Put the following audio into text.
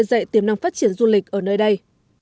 tiếp tục khơi dậy tiềm năng phát triển du lịch ở nơi đây